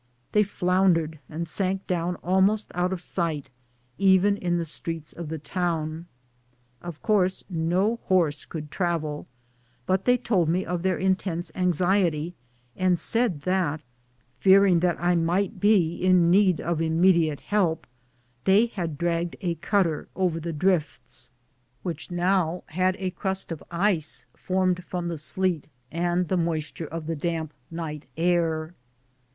They floundered and sank down almost out of sight, even in the streets of the town. Of course no horse could travel, but they told me of their intense anxiety, and said that fearing I might be in need of immediate help they had dragged a cutter over the drifts, which now had a crust of ice formed from the sleet and the moisture of the damp night air.